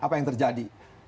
apa yang terjadi